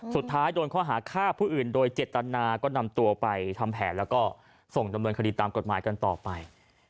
สุดท้ายโดนข้อหาฆ่าผู้อื่นโดยเจตนาก็นำตัวไปทำแผนแล้วก็ส่งดำเนินคดีตามกฎหมายกันต่อไป